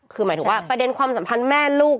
คือหมายถึงว่าประเด็นความสัมพันธ์แม่ลูก